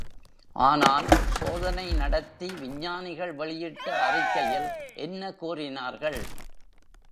ஆனால், சோதனை நடத்தி விஞ்ஞானிகள் வெளியிட்ட அறிக்கையில் என்ன கூறினார்கள்?